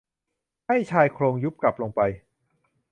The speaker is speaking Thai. ให้ชายโครงยุบกลับลงไป